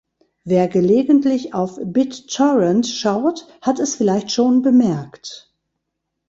Wer gelegentlich auf BitTorrent schaut, hat es vielleicht schon bemerkt.